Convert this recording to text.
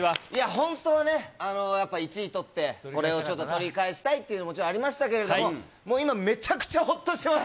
本当はね、やっぱ１位取って、これをちょっと取り返したいっていうのももちろんありましたけれども、もう今、めちゃくちゃほっとしてます。